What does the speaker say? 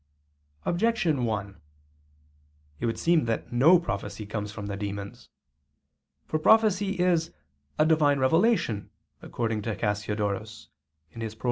Objection 1: It would seem that no prophecy comes from the demons. For prophecy is "a Divine revelation," according to Cassiodorus [*Prol.